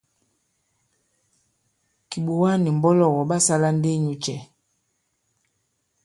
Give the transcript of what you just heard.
Kìɓòga nì mbɔlɔgɔ̀ ɓa sālā ndi inyū cɛ̄ ?